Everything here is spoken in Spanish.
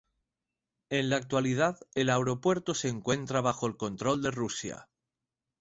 En la actualidad el aeropuerto se encuentra bajo el control de Rusia.